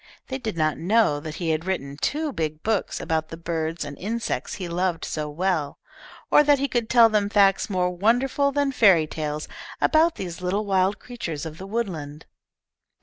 They did not know that he had written two big books about the birds and insects he loved so well, or that he could tell them facts more wonderful than fairy tales about these little wild creatures of the woodland.